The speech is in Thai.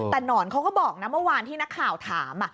แต่หนอนเขาก็บอกนะเมื่อวานที่นักข่าวถาม